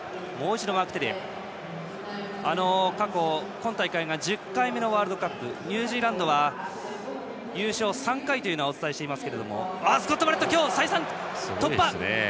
今大会が１０回目のワールドカップですがニュージーランドは優勝３回というのはお伝えしています。